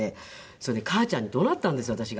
それで母ちゃんに怒鳴ったんですよ私が。